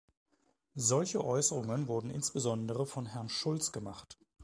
Solche Äußerungen wurden insbesondere von Herrn Schulz gemacht.